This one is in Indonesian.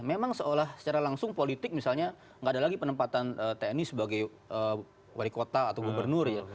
memang seolah secara langsung politik misalnya nggak ada lagi penempatan tni sebagai wali kota atau gubernur ya